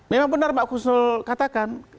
memang benar mbak kusnul katakan